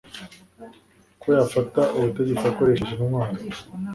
ko yafata ubutegetsi akoresheje intwaro.